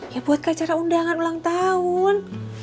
ya buat acara undangan ulang tahun